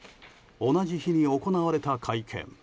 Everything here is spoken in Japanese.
同じ日に行われた会見。